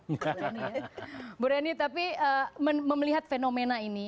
ibu reni tapi melihat fenomena ini